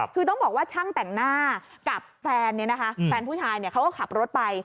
คือต้องบอกว่าช่างแต่งหน้ากับแฟนเนี่ยนะคะแฟนผู้ชายเขาก็ขับรถไป